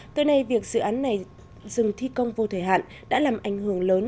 tới nay việc dự án này dừng thi công vô thời hạn đã làm ảnh hưởng lớn